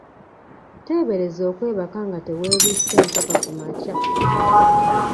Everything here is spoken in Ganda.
Teebereza okwebaka nga teweebisse mpaka ku makya!